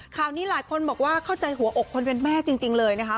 ข่าวนี้หลายคนบอกว่าเข้าใจหัวอกคนเป็นแม่จริงเลยนะคะ